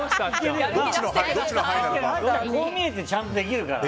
こう見えてちゃんとできるから。